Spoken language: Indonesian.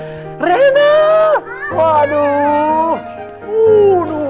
assalamualaikum warahmatullahi wabarakatuh